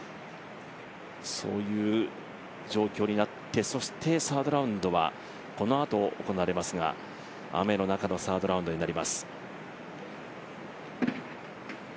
そういう状況になって、サードラウンドはこのあと行われますが、雨の中のサードラウンドになります。